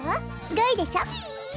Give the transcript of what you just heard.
すごいでしょ？キイ！